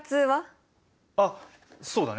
あっそうだね。